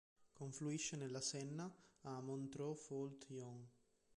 Confluisce nella Senna a Montereau-Fault-Yonne.